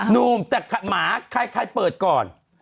นุ่มแต่หมาใครเปิดก่อน